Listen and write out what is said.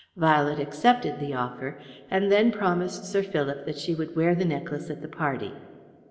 Violet accepted the offer, and then promised Sir Philip that she would wear the necklace at the party.